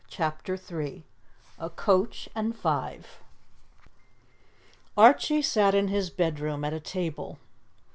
CHAPTER III A COACH AND FIVE ARCHIE sat in his bedroom at a table.